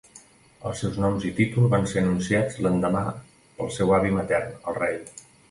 Els seus noms i títol van ser anunciats l'endemà pel seu avi matern, el Rei.